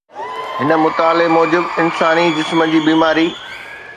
هڪ مطالعي موجب، انساني جسم جي بيماري